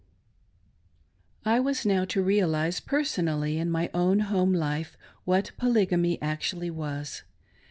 I WAS now to realise personally in my own home life what Polygamy actually was.